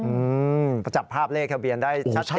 อืมก็จับภาพเลขทะเบียนได้ชัด